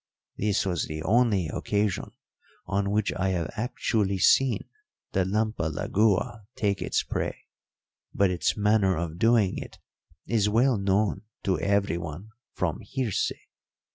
"This was the only occasion on which I have actually seen the lampalagua take its prey, but its manner of doing it is well known to everyone from hearsay.